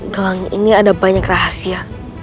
gelang ini ada banyak rahasia